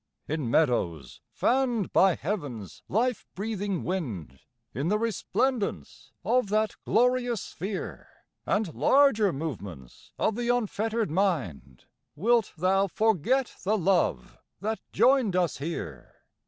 In meadows fanned by heaven's life breathing wind, In the resplendence of that glorious sphere, And larger movements of the unfettered mind, Wilt thou forget the love that joined us here?